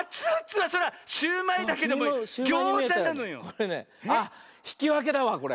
これねあっひきわけだわこれ。